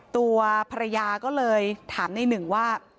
ตัวภรรยาก็เลยถามในหนึ่งว่า